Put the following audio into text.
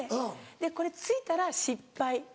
これついたら失敗。